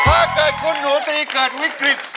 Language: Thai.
อ่าเจอคุณหนูสักทีเกิดวิกฤต